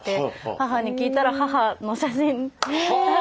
母に聞いたら母の写真だったり。